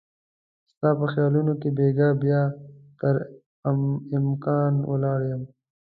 ستا په خیالونو کې بیګا بیا تر امکان ولاړ مه